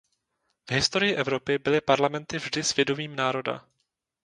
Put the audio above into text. V historii Evropy byly parlamenty vždy svědomím národa.